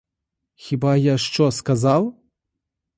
Хіба я що сказав?